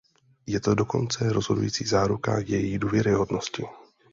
Je to dokonce rozhodující záruka její důvěryhodnosti.